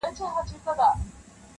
زما څخه مه غواړه غزل د پسرلي د نسیم-